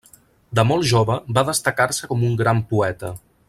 De molt jove va destacar-se com un gran poeta.